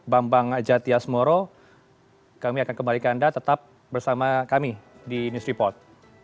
bang bang jatias moro kami akan kembalikan anda tetap bersama kami di news report